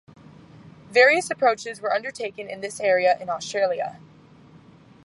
Various approaches were undertaken in this area in Australia.